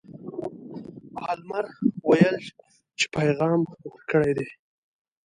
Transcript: پالمر ویل چې پیغام ورکړی دی.